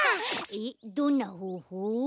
えっどんなほうほう？